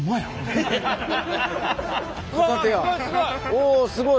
おすごい。